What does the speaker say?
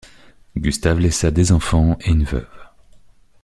Gustave laissa des enfants et une veuve.